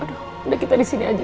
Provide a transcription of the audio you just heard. udah kita disini aja